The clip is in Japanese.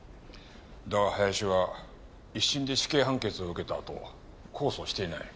だが林は一審で死刑判決を受けたあと控訴していない。